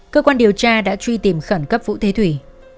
cơ quan điều tra đã truy tìm khẩn cấp vũ tế thùy